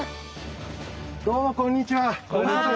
どうもこんにちは。